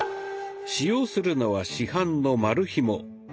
使用するのは市販の丸ひも。